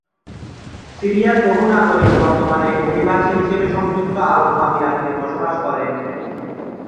সিরিয়ার বহু নাগরিক বর্তমানে অভিবাসী হিসেবে সংযুক্ত আরব আমিরাতে বসবাস করেন।